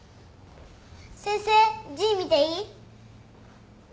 先生字見ていい？